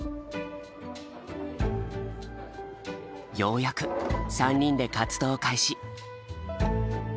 ようやく３人で活動開始。